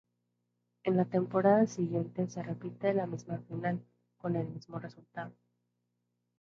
En la temporada siguiente se repite la misma final, con el mismo resultado.